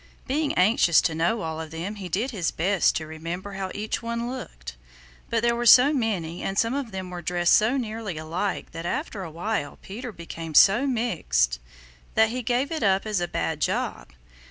Being anxious to know all of them he did his best to remember how each one looked, but there were so many and some of them were dressed so nearly alike that after awhile Peter became so mixed that he gave it up as a bad job.